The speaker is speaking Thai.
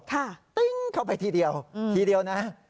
ติ้งเข้าไปทีเดียวทีเดียวนะ